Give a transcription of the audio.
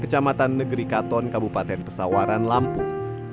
dan negeri katon kabupaten pesawaran lampung